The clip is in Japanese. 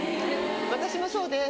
私もそうです。